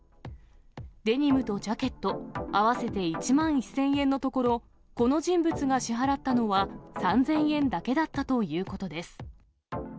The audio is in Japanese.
デニムとジャケット、合わせて１万１０００円のところ、この人物が支払ったのは３０００円だけだったということです。